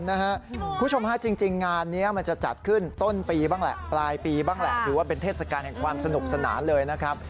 คุณผู้ชมฮะจริงงานนี้มันจะจัดขึ้นต้นปีบ้างปลายปีบ้างที่ว่าเป็นเทศการของสนุกสนานเลยนะครับ